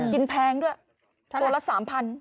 แพงด้วยตัวละ๓๐๐บาท